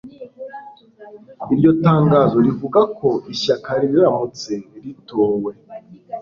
iryo tangazo rivuga ko ishyaka riramutse ritowe